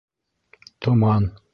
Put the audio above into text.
Томан